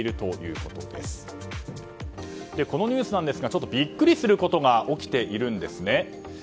このニュースですがビックリすることが起きているんですね。